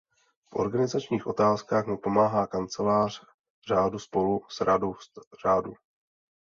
V organizačních otázkách mu pomáhá kancléř řádu spolu s radou řádu.